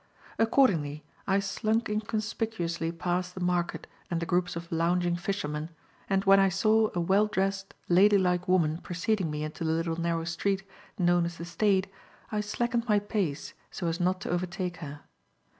Accordingly, I slunk inconspicuously past the market and the groups of lounging fishermen, and when I saw a well dressed, lady like woman preceding me into the little narrow street, known as the Stade, I slackened my pace so as not to overtake her.